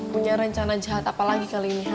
punya rencana jahat apa lagi kali ini